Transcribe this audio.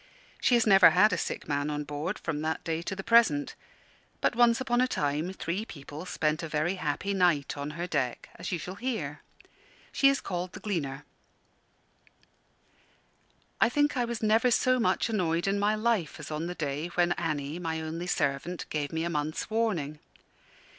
She has never had a sick man on board from that day to the present. But once upon a time three people spent a very happy night on her deck, as you shall hear. She is called The Gleaner. I think I was never so much annoyed in my life as on the day when Annie, my only servant, gave me a month's "warning."